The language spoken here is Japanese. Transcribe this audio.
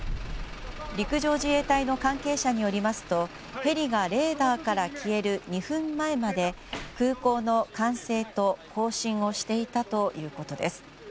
陸上自衛隊の関係者によりますとヘリがレーダーから消える２分前まで空港の管制と交信をしていたということです。